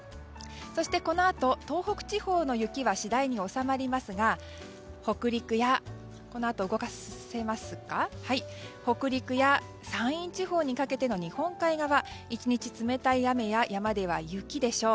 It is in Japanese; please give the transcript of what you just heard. そしてこのあと東北地方の雪は次第に収まりますが北陸や山陰地方にかけての日本海側１日、冷たい雨で山では雪でしょう。